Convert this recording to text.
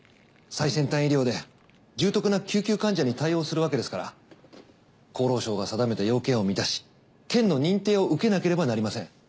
最先端医療で重篤な救急患者に対応するわけですから厚労省が定めた要件を満たし県の認定を受けなければなりません。